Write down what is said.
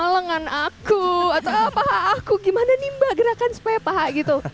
lengen aku atau paha aku gimana nih mbak gerakan supaya paha gitu